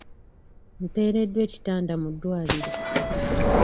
Mpereddwa ekitanda mu ddwaliro.